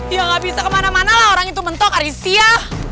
ya nggak bisa kemana mana lah orang itu mentok arisia